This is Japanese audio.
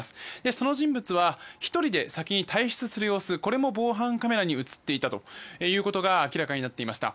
その人物は１人で先に退室する様子も防犯カメラに映っていたことも明らかになっていました。